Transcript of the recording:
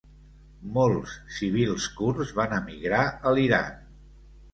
Molts civils kurds van emigrar a l'Iran.